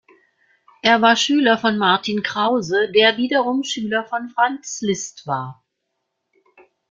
Er war Schüler von Martin Krause, der wiederum Schüler von Franz Liszt war.